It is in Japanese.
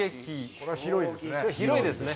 これは広いですね。